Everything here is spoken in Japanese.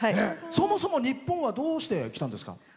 そもそも日本はどうして来たんですか？